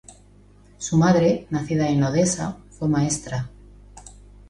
Su madre, nacida en Odessa, fue maestra.